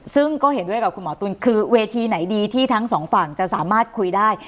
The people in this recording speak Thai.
ซึ่งก็เห็นด้วยกับคุณหมอตุ๋นคือเวทีไหนดีที่ทั้งสองฝั่งจะสามารถคุยได้